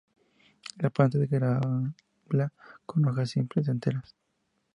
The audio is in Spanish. La planta es glabra con hojas simples, enteras.